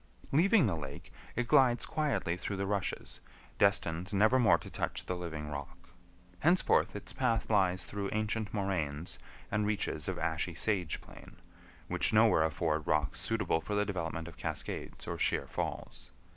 Leaving the lake, it glides quietly through the rushes, destined never more to touch the living rock. Henceforth its path lies through ancient moraines and reaches of ashy sage plain, which nowhere afford rocks suitable for the development of cascades or sheer falls.